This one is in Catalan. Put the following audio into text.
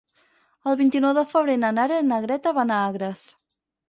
El vint-i-nou de febrer na Nara i na Greta van a Agres.